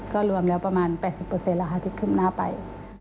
ก็รวมแล้วประมาณ๘๐เปอร์เซ็นต์ละอาทิตย์ขึ้นหน้าไป